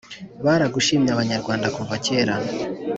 baragushimye abanyarwanda kuva kera